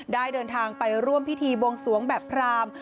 เดินทางไปร่วมพิธีบวงสวงแบบพราม